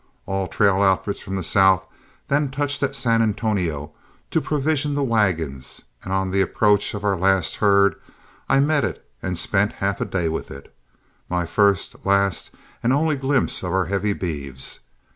All trail outfits from the south then touched at San Antonio to provision the wagons, and on the approach of our last herd I met it and spent half a day with it, my first, last, and only glimpse of our heavy beeves.